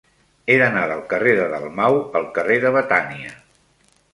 He d'anar del carrer de Dalmau al carrer de Betània.